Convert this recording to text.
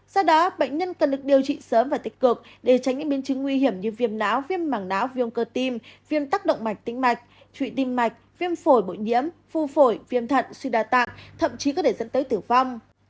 do đó bệnh nhân cần được điều trị sớm và tích cực để tránh những biến chứng nguy hiểm như viêm não viêm mảng não viêm cơ tim viêm tắc động mạch tĩnh mạch trụy tim mạch viêm phổi bội nhiễm phu phổi viêm thận suy đa tạng thậm chí có thể dẫn tới tử vong